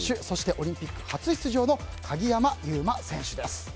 そして、オリンピック初出場の鍵山優真選手です。